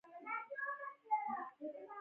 زه افغانستان ته نه سم تلی